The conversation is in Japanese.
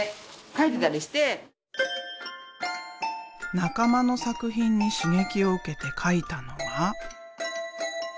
仲間の作品に刺激を受けて描いたのがこちら。